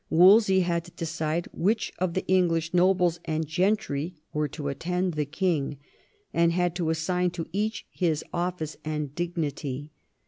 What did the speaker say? Wolsey had to decide which of the English nobles and gentry were to attend the king, and had to assign to each his office and dignity.